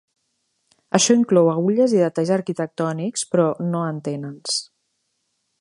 Això inclou agulles i detalls arquitectònics, però no antenes.